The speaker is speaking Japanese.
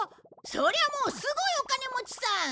そりゃもうすごいお金持ちさ！